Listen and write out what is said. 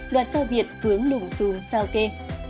một mươi hai loạt sao việt vướng lùng xùm sao kê